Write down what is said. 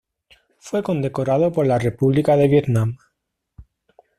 Fue condecorado por la República de Vietnam.